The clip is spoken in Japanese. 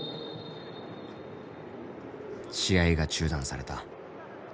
試合が中断された。